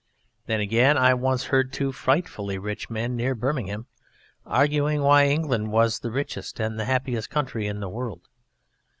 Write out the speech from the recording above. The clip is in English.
Then again I once heard two frightfully rich men near Birmingham arguing why England was the richest and the Happiest Country in the world.